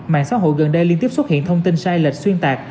mạng xã hội gần đây liên tiếp xuất hiện thông tin sai lệch xuyên tạc